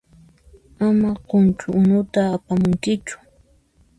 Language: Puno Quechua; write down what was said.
Ama qunchu unuta apamunkichu.